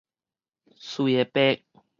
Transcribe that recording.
隨會白